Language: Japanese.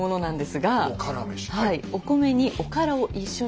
はい。